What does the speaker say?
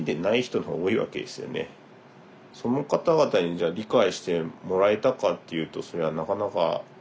その方々にじゃあ理解してもらえたかっていうとそれはなかなか。